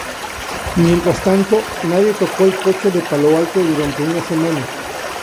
Mientras tanto, nadie tocó el coche de Palo Alto durante una semana.